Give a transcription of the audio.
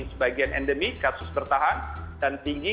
sebagian endemi kasus bertahan dan tinggi